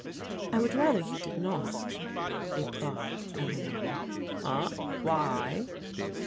" I would rather you did not," replied Eleanor. "Ah, why